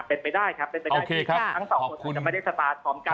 เป็นไปได้ครับทั้ง๒คนจะไม่ได้สตาร์ท